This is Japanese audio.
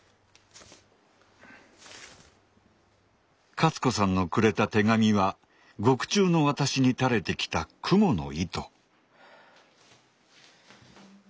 勝子さんのくれた手紙は獄中の私に垂れてきた蜘蛛の糸。